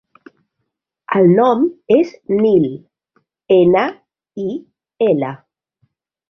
El nom és Nil: ena, i, ela.